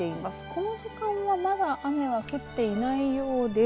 この時間はまだ雨は降っていないようです。